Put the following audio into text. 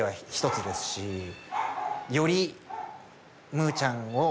より。